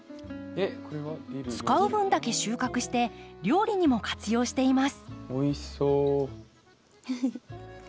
使う分だけ収穫して料理にも活用しています。